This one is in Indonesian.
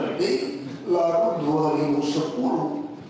setelah berhenti lalu dua ribu sepuluh